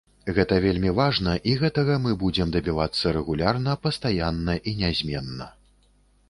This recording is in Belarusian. Гэта вельмі важна і гэтага мы будзем дабівацца рэгулярна пастаянна і нязменна.